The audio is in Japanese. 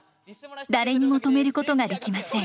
誰にも止めることができません。